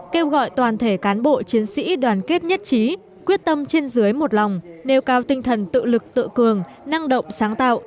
kêu gọi toàn thể cán bộ chiến sĩ đoàn kết nhất trí quyết tâm trên dưới một lòng nêu cao tinh thần tự lực tự cường năng động sáng tạo